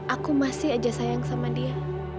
aku masih aja sayang sama dia